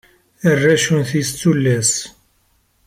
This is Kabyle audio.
Arrac unti-is d tullas.